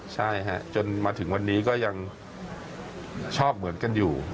ใช่ฮะจนมาถึงวันนี้ก็ยังชอบเหมือนกันอยู่